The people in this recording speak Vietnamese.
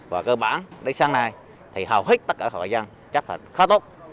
và cơ bản đến sáng nay thì hào hích tất cả các hội dân chắc là khá tốt